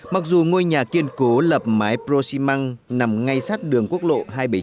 mặc dù ngôi nhà kiên cố lập mái prosi măng nằm ngay sát đường quốc lộ hai trăm bảy mươi chín